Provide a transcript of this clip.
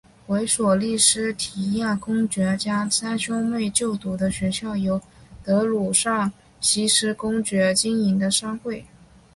为索利斯提亚公爵家三兄妹就读的学校由德鲁萨西斯公爵经营的商会。